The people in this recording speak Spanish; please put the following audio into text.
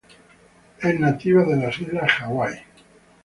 Es nativa de las Islas Hawaii.